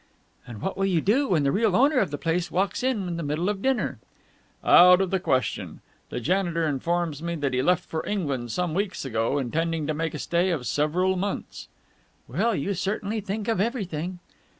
"And what will you do when the real owner of the place walks in in the middle of dinner?" "Out of the question. The janitor informs me that he left for England some weeks ago, intending to make a stay of several months." "Well, you certainly think of everything."